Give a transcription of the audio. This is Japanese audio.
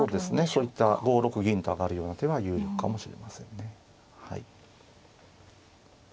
そういった５六銀と上がるような手は有力かもしれませんね。